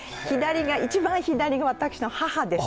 一番左が私の母です。